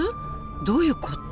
どういうこと？